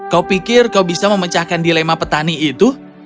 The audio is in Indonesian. kau pikir kau bisa memecahkan dilema petani itu